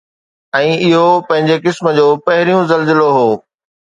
۽ اهو پنهنجي قسم جو پهريون زلزلو هو